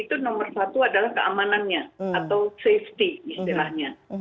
itu nomor satu adalah keamanannya atau safety istilahnya